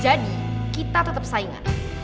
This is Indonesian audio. jadi kita tetep saingan